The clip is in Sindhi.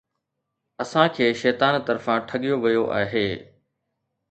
اسان کي شيطان طرفان ٺڳيو ويو آهي